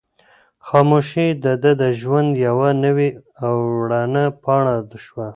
خاموشي د ده د ژوند یوه نوې او رڼه پاڼه شوه.